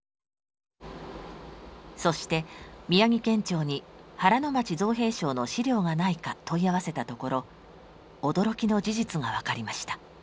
そして宮城県庁に原町造兵廠の資料がないか問い合わせたところ驚きの事実が分かりました。